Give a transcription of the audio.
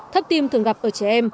thấp tim thường gặp ở trẻ em